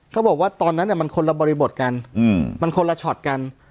เขาบอกว่าตอนนั้นมันคนละบริบทกันมันคนละช็อตกัน